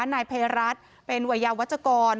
นายเพราะรัฐเป็นวัยยาวาชกร